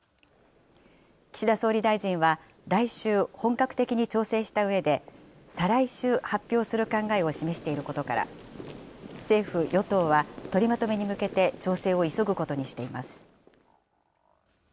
岸田総理大臣は来週、本格的に調整したうえで、再来週発表する考えを示していることから、政府・与党は取りまとめに向けて調整を急ぐことにしています。